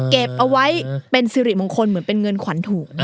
เก็บเอาไว้เป็นสิริมงคลเหมือนเป็นเงินขวัญถูก